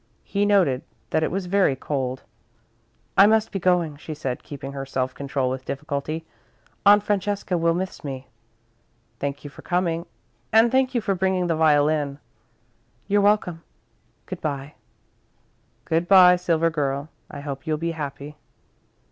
He noted that it was very cold. "I must be going," she said, keeping her self control with difficulty, "Aunt Francesca will miss me." "Thank you for coming and for bringing the violin." "You're welcome. Good bye." "Good bye, Silver Girl. I hope you'll be happy."